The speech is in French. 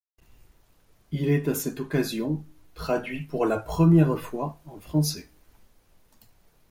Il est à cette occasion traduit pour la première fois en français.